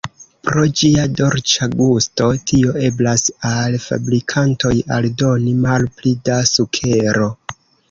Pro ĝia dolĉa gusto, tio eblas al fabrikantoj aldoni malpli da sukero.